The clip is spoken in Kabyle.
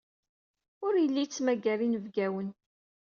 Ur yelli yettmagar inebgawen.